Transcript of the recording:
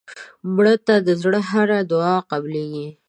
مړه ته د زړه هره دعا قبلیږي